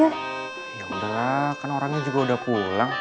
ya udahlah kan orangnya juga udah pulang